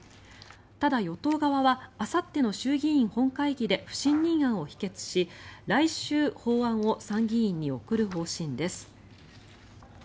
ただ、与党側はあさっての衆議院本会議で不信任案を否決し来週、法案を参議院に送る方針です。